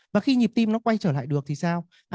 và khi nhịp tim nó quay trở lại được thì sao